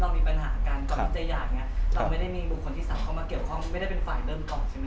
เราไม่ได้มีบุคคลที่สามารถเข้ามาเกี่ยวข้องไม่ได้เป็นฝ่ายเริ่มต่อใช่ไหม